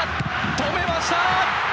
止めました！